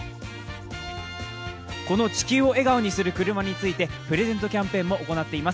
この地球を笑顔にするくるまについてキャンペーンを行っています。